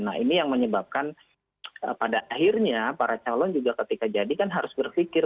nah ini yang menyebabkan pada akhirnya para calon juga ketika jadi kan harus berpikir